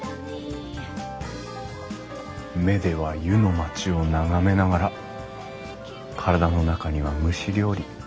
目では湯の町を眺めながら体の中には蒸し料理。